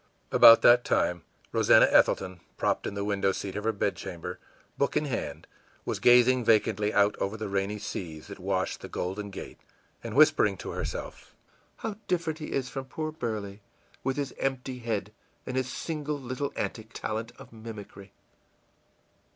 î About that time Rosannah Ethelton, propped in the window seat of her bedchamber, book in hand, was gazing vacantly out over the rainy seas that washed the Golden Gate, and whispering to herself, ìHow different he is from poor Burley, with his empty head and his single little antic talent of mimicry!